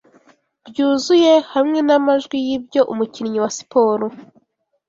byuzuye hamwe n'amajwi y'ibyo umukinnyi wa siporo